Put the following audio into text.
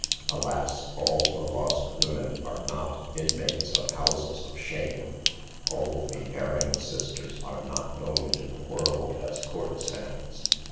Alas, all the lost women are not inmates of houses SOCIETY BUYING A SLAVE. 229 of shame ; all the erring sisters are not known to the world as courtesans.